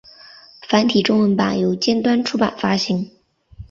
繁体中文版由尖端出版发行。